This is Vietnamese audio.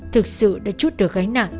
thực sự đã chút được gánh nặng